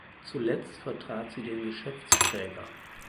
Zuletzt vertrat sie den Geschäftsträger.